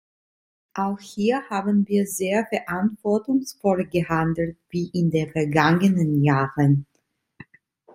Auch hier haben wir sehr verantwortungsvoll gehandelt wie in den vergangenen Jahren.